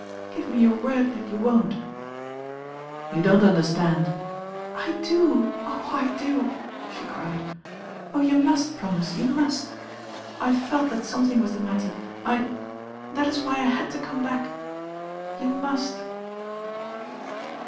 "Give me your word that you won't?" "You don't understand.'* "I do, oh I I do," she cried. 0h, you must promise, you must I felt that something was the matter. I— that is why I had to come back. You must."